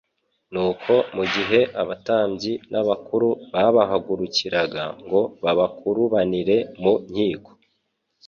Nuko mu gihe abatambyi n'abakuru babahagurukiraga ngo babakurubanire mu nkiko